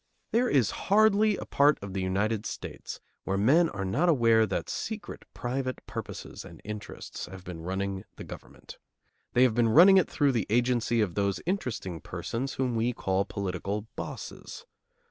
There is hardly a part of the United States where men are not aware that secret private purposes and interests have been running the government. They have been running it through the agency of those interesting persons whom we call political "bosses."